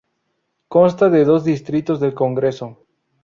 Consta de dos distritos del congreso.